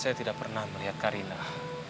saya tidak pernah melihat karinah